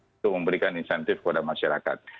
pengalaman yang diberikan insentif kepada masyarakat